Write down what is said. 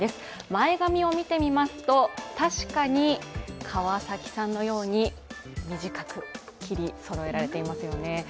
前髪を見てみますと、確かに川崎さんのように短く切りそろえられていますよね。